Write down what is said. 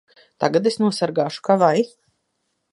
Tagad es nosargāšu ka vai!